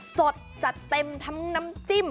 สดจัดเต็มทั้งน้ำจิ้ม